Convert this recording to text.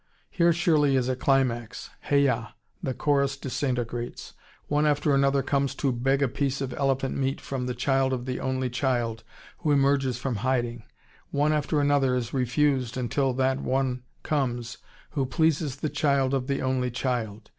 Here surely is a climax. "Hay a a!" The chorus disintegrates; one after another comes to beg a piece of elephant meat from the child of the only child, who emerges from hiding. One after another is refused, until that one comes who pleases the child of the only child.